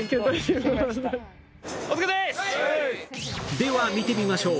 では、見てみましょう。